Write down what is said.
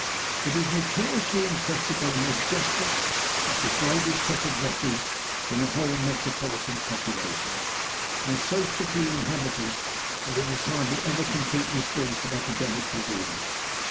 It is notoriously infested by the most desperate and degraded set of wretches in the whole metropolitan population, and it is so thickly inhabited that it is hardly ever completely free from epidemic disease.